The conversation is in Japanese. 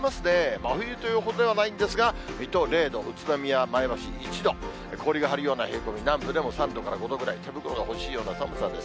真冬というほどではないんですが、水戸０度、宇都宮、前橋１度、氷が張るような冷え込み、南部でも３度から５度ぐらい、手袋が欲しいような寒さです。